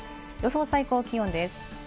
予想最高気温です。